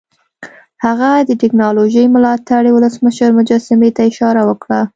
هغه د ټیکنالوژۍ ملاتړي ولسمشر مجسمې ته اشاره وکړه